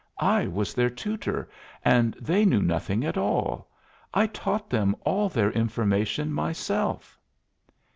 I was their tutor, and they knew nothing at all. I taught them all their information myself."